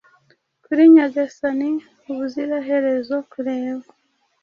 Kuri Nyagasani ubuziraherezokureba